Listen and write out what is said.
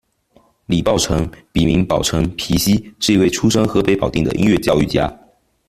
李抱忱，笔名饱尘、疲兮，是一位出身河北保定的音乐教育家。